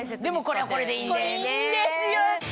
でもこれはこれでいいんだよね。